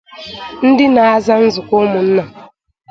ndị na-aza Nzukọ Ụmụnna